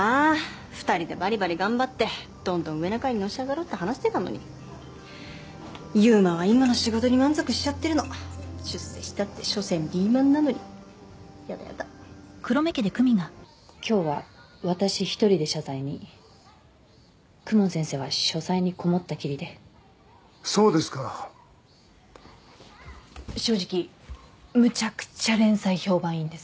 ２人でバリバリ頑張ってどんどん上の階にのし上がろうって話してたのに悠馬は今の仕事に満足しちゃってるの出世したってしょせんリーマンなのにやだやだ今日は私一人で謝罪に公文先生は書斎に籠もったきりでそうですか正直むちゃくちゃ連載評判いいんです